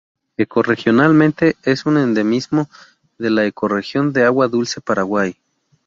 Ecorregionalmente es un endemismo de la ecorregión de agua dulce Paraguay.